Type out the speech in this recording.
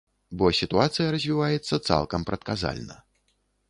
Бо сітуацыя развіваецца цалкам прадказальна.